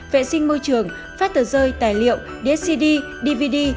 vệ sinh môi trường phát tờ rơi tài liệu dscd dvd